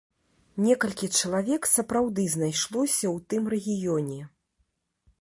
Некалькі чалавек сапраўды знайшлося ў тым рэгіёне!